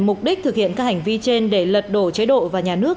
mục đích thực hiện các hành vi trên để lật đổ chế độ và nhà nước